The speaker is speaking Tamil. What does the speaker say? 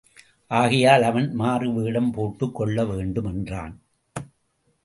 ஆகையால், அவன் மாறுவேடம் போட்டுக் கொள்ளவேண்டும் என்றான்.